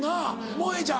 もえちゃん